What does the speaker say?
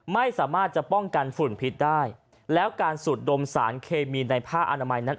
ไม่สามารถจะป้องกันฝุ่นพิษได้แล้วการสูดดมสารเคมีในผ้าอนามัยนั้น